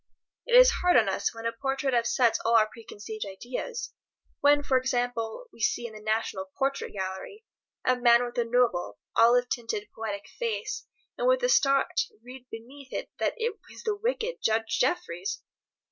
It is hard on us when a portrait upsets all our preconceived ideas, when, for example, we see in the National Portrait Gallery a man with a noble, olive tinted, poetic face, and with a start read beneath it that it is the wicked Judge Jeffreys.